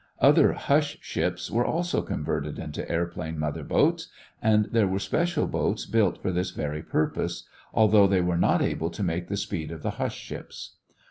Other "hush ships" were also converted into airplane mother boats and there were special boats built for this very purpose, although they were not able to make the speed of the "hush ships."